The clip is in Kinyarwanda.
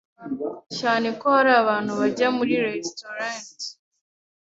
cyane ko hari abantu bajya muri restaurants,